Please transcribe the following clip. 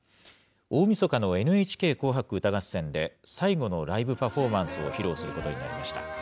大みそかのＮＨＫ紅白歌合戦で、最後のライブパフォーマンスを披露することになりました。